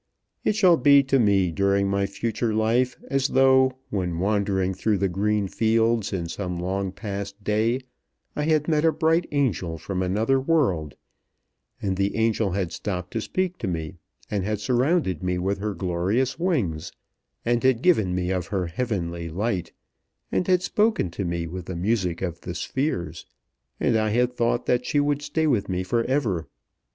It shall be to me during my future life as though when wandering through the green fields in some long past day, I had met a bright angel from another world; and the angel had stopped to speak to me, and had surrounded me with her glorious wings, and had given me of her heavenly light, and had spoken to me with the music of the spheres, and I had thought that she would stay with me for ever.